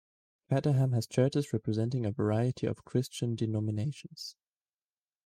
Caterham has churches representing a variety of Christian denominations.